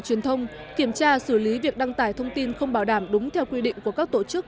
truyền thông kiểm tra xử lý việc đăng tải thông tin không bảo đảm đúng theo quy định của các tổ chức